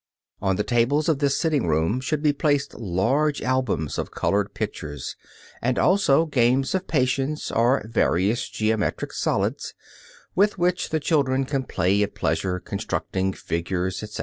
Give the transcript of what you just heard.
On the tables of this sitting room should be placed large albums of colored pictures, and also games of patience, or various geometric solids, with which the children can play at pleasure, constructing figures, etc.